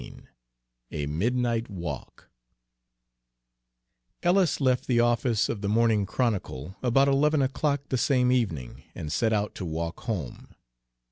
XIX A MIDNIGHT WALK Ellis left the office of the Morning Chronicle about eleven o'clock the same evening and set out to walk home.